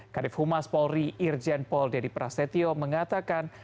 kadif humas polri irjen pol dedy prasetyo mengatakan